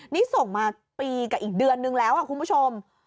นี่ส่งมาปีกับอีกเดือนนึงแล้วคุณผู้ชม